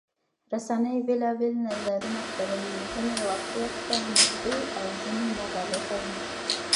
رسنۍ بېلابېل نظرونه خپروي، ځینې واقعيت ته نږدې او ځینې مبالغه وي.